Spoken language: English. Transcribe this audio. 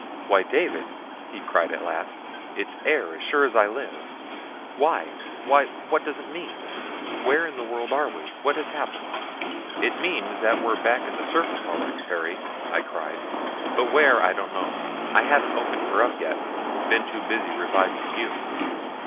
"Why, David," he cried at last, "it's air, as sure as I live. Why why what does it mean? Where in the world are we? What has happened?" "It means that we're back at the surface all right, Perry," I cried; "but where, I don't know. I haven't opened her up yet. Been too busy reviving you.